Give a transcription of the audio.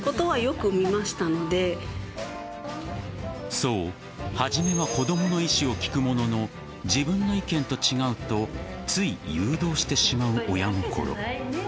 そう、初めは子供の意思を聞くものの自分の意見と違うとつい誘導してしまう親心。